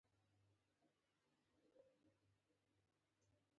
هدف د شتمنو تفریح او ساتل وو.